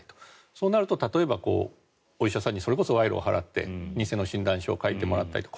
そうなると例えばお医者さんにそれこそ賄賂を払って偽の診断書を書いてもらうと。